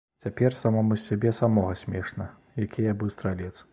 Цяпер самому з сябе самога смешна, які я быў стралец.